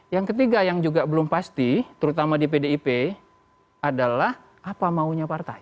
yang ketiga yang juga belum pasti terutama di pdip adalah apa maunya partai